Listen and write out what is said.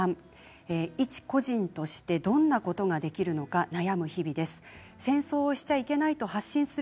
一個人として、どんなことができるのか悩む日々です。